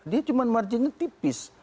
dia cuma marginnya tipis